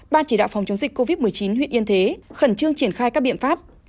ban chỉ đạo phòng chống dịch covid một mươi chín huyện yên thế khẩn trương triển khai các biện pháp